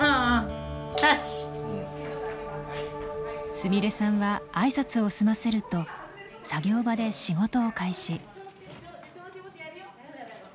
すみれさんは挨拶を済ませると作業場で仕事を開始。